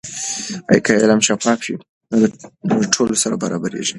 که علم شفاف وي، د ټولو سره برابریږي.